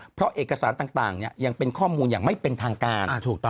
เพราะเอกสารต่างยังเป็นข้อมูลอย่างไม่เป็นทางการ